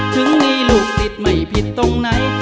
ถึงนี่ลูกศิษย์ไม่ผิดตรงไหน